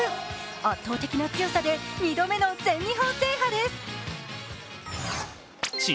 圧倒的な強さで２度目の全日本制覇です。